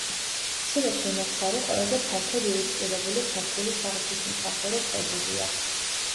მცირე სვინაქსარი ყველაზე ფართოდ ილუსტრირებული ქართული საღვთისმსახურო კრებულია.